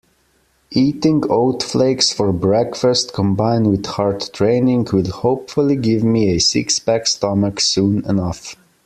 Eating oat flakes for breakfast combined with hard training will hopefully give me a six-pack stomach soon enough.